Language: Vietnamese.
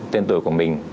tên tuổi của mình